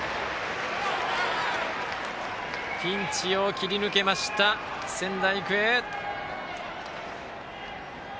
ピンチを切り抜けました仙台育英。